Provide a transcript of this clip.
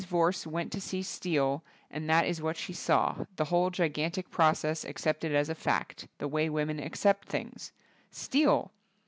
Vorse went to see steel, and that is what she saw, the whole gigantic process accepted as a fact, the way women accept things. Steel !